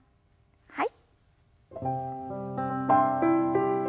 はい。